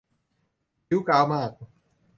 กิ๊วก๊าวมาก